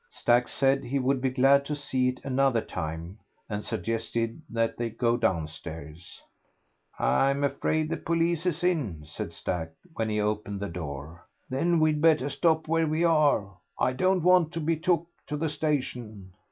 Stack said he would be glad to see it another time, and suggested that they go downstairs. "I'm afraid the police is in," said Stack, when he opened the door. "Then we'd better stop where we are; I don't want to be took to the station."